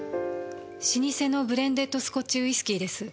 老舗のブレンデッドスコッチウイスキーです。